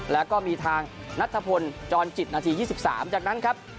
แล้วก็มีทางนัทธพลจรจิตนาที๒๓จากนั้นครับ